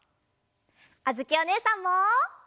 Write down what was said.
あづきおねえさんも！